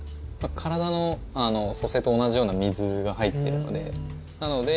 体の組成と同じような水が入っているので。